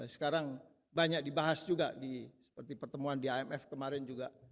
sekarang banyak dibahas juga seperti pertemuan di imf kemarin juga